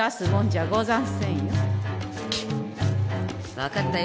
わかったよ